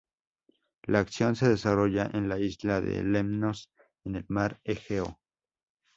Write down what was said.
La acción se desarrolla en la isla de Lemnos, en el mar Egeo.